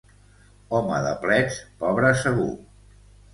Home de plets, pobre segur.